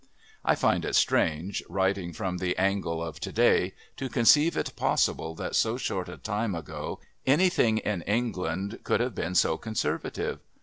I find it strange, writing from the angle of to day, to conceive it possible that so short a time ago anything in England could have been so conservative.